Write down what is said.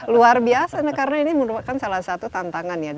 luar biasa karena ini merupakan salah satu tantangan ya